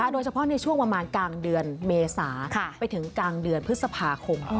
โดยเฉพาะในช่วงประมาณกลางเดือนเมษาไปถึงกลางเดือนพฤษภาคม